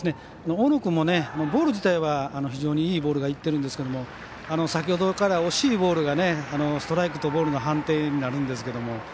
大野君もボール自体は非常にいいボールがいってるんですけど先ほどから惜しいボールがストライクとボールの判定になるんですけども。